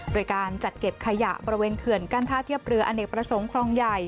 โดยการจัดเก็บขยะบริเวณเขื่อนกั้นท่าเทียบเรืออเนกประสงค์คลองใหญ่